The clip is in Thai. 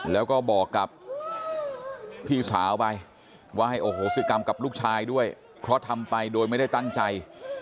แล้วก็บอกกับพี่สาวไปว่าให้โอโหสิกรรมกับลูกชายด้วยเพราะทำไปโดยไม่ได้ตั้งใจ